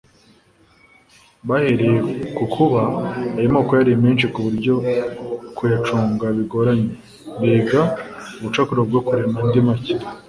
bahereye ku kuba ayo moko yari menshi ku buryo kuyacunga bigoranye, biga ubucakura bwo kurema andi make.